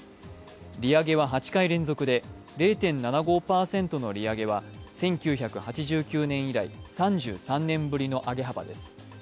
利上げは８回連続で０．７５％の利上げは１９８９年以来、３３年ぶりの上げ幅です